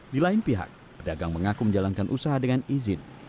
di lain pihak pedagang mengaku menjalankan usaha dengan izin